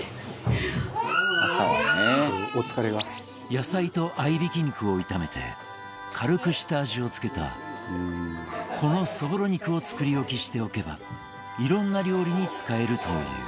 野菜と合いびき肉を炒めて軽くした味をつけたこのそぼろ肉を作り置きしておけばいろんな料理に使えるという。